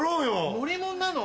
乗り物なの？